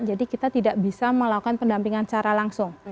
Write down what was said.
jadi kita tidak bisa melakukan pendampingan secara langsung